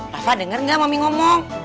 rafa denger nggak mami ngomong